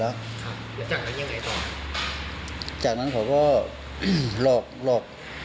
แล้วจากนั้นยังไงต่อจากนั้นเขาก็อืมหลอกหลอก